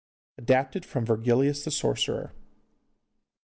(Adapted from 'Virgilius the Sorcerer.